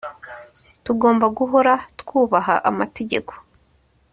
tugomba guhora twubaha amategeko